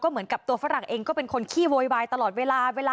ขณะเดียวกันคุณอ้อยคนที่เป็นเมียฝรั่งคนนั้นแหละ